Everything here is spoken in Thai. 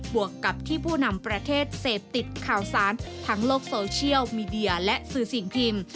วกกับที่ผู้นำประเทศเสพติดข่าวสารทั้งโลกโซเชียลมีเดียและสื่อสิ่งพิมพ์